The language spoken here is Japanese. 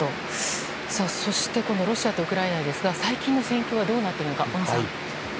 そしてロシアとウクライナですが最近の戦況はどうなっているんでしょうか